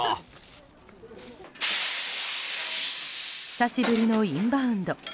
久しぶりのインバウンド。